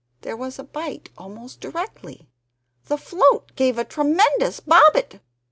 There was a bite almost directly; the float gave a tremendous bobbit!